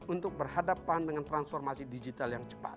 untuk berhadapan dengan transformasi digital yang cepat